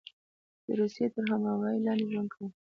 د روسیې تر حمایې لاندې ژوند کاوه.